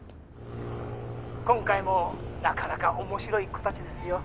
今回もなかなか面白い子たちですよ。